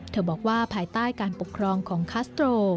บอกว่าภายใต้การปกครองของคัสโตร